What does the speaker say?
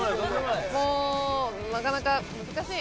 もうなかなか難しい。